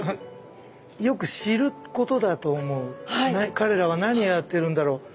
彼らは何をやってるんだろう？